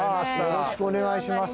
よろしくお願いします。